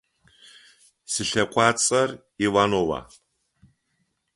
Слъэкъуацӏэр Иванова.